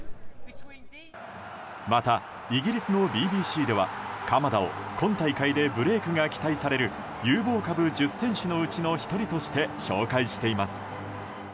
またイギリスのＢＢＣでは鎌田を今大会でブレークが期待される有望株１０選手のうちの１人として紹介しています。